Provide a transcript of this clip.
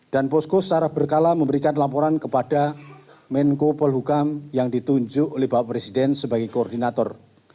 dan posko secara berkala memberikan laporan kepada menko polhukam yang ditunjuk oleh bapak presiden sebagai koordinator